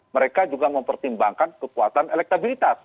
mereka juga mempertimbangkan kekuatan elektabilitas